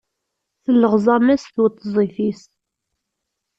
Telleɣẓam-as tweṭzit-is.